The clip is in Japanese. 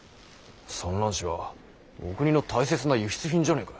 蚕卵紙はお国の大切な輸出品じゃないか。